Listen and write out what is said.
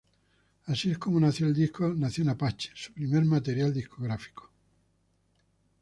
Así es como nació el disco Nación Apache, su primer material discográfico.